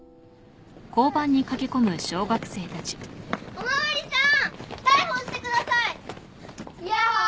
お巡りさん逮捕してください！ヤッホー！